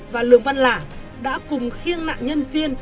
và lường văn lả đã cùng khiêng nạn nhân xuyên